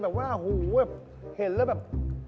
แบบว่าฮูเห็นแล้วแบบ